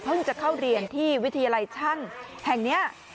จะเข้าเรียนที่วิทยาลัยช่างแห่งนี้